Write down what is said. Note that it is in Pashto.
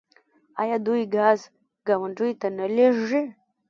آیا دوی ګاز ګاونډیو ته نه لیږي؟